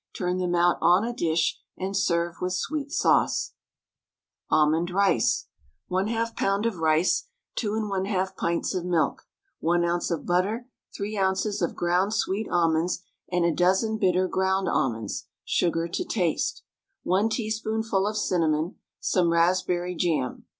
Turn them out on a dish, and serve with sweet sauce. ALMOND RICE. 1/2 lb. of rice, 2 1/2 pints of milk, 1 oz. of butter, 3 oz. of ground sweet almonds and a dozen bitter ground almonds, sugar to taste, 1 teaspoonful of cinnamon, some raspberry jam.